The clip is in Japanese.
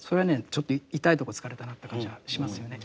ちょっと痛いとこ突かれたなという感じはしますよね。